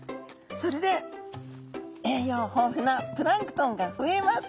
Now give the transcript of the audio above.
それで栄養豊富なプランクトンが増えます。